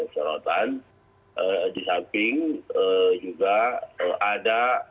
sorotan di samping juga ada